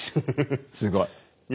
すごい。